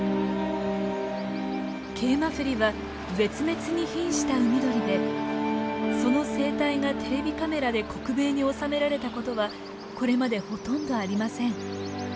ケイマフリは絶滅に瀕した海鳥でその生態がテレビカメラで克明に収められたことはこれまでほとんどありません。